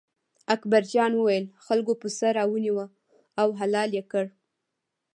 اکبر جان وویل: خلکو پسه را ونیوه او حلال یې کړ.